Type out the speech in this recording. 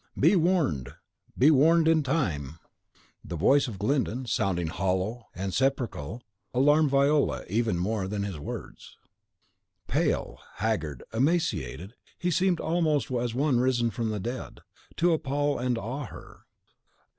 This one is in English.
Be warned, be warned in time!" The voice of Glyndon, sounding hollow and sepulchral, alarmed Viola even more than his words. Pale, haggard, emaciated, he seemed almost as one risen from the dead, to appall and awe her.